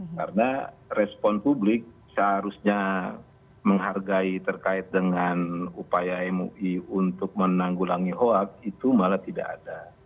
karena respon publik seharusnya menghargai terkait dengan upaya mui untuk menanggulangi hoak itu malah tidak ada